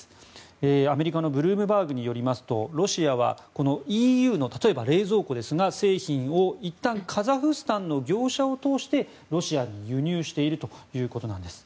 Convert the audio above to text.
アメリカのブルームバーグによりますとロシアは、ＥＵの例えば冷蔵庫ですが製品をいったんカザフスタンの業者を通してロシアに輸入しているということなんです。